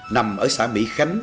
nằm ở xã mỹ khánh